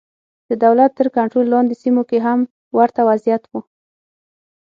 د دولت تر کنټرول لاندې سیمو کې هم ورته وضعیت و.